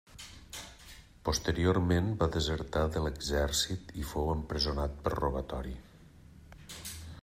Posteriorment va desertar de l'exèrcit i fou empresonat per robatori.